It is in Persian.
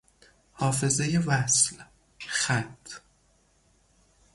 حافظهی وصل - خط